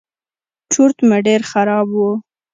چورت مې ډېر خراب و.